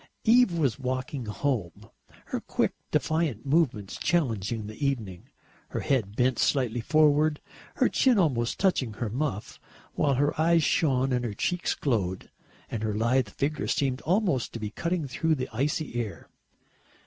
Eve was walking home, her quick, defiant movements challenging the evening, her head bent slightly forward, her chin almost touching her muff, while her eyes shone and her cheeks glowed and her lithe figure seemed almost to be cutting through the icy air.